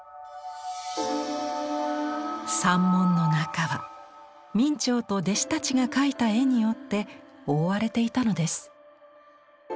三門の中は明兆と弟子たちが描いた絵によって覆われていたのです。